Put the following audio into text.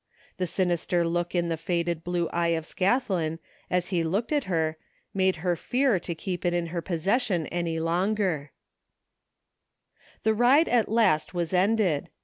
The sinister look in the faded blue eye of Scathlin as he looked at her made her fear to keep it in her possession any longer. 170 THE FINDING OF JASPER HOLT The ride at last was ended.